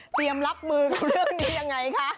เตรียมรับมือในเรื่องนี้ยังไงคะ